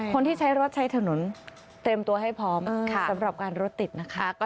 คนที่ใช้รถใช้ถนนเตรียมตัวให้พร้อมสำหรับการรถติดนะคะ